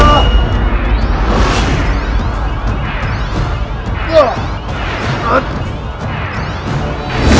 aku tidak percaya